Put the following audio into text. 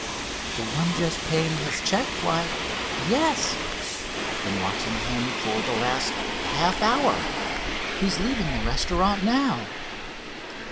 "The one just paying his check? Why, yes, I've been watching him for the last half hour. He's leaving the restaurant now."